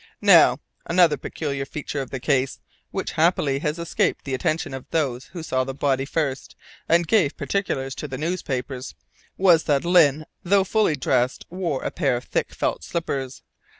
"Now another peculiar feature of the case, which happily has escaped the attention of those who saw the body first and gave particulars to the newspapers, was that Lyne, though fully dressed, wore a pair of thick felt slippers.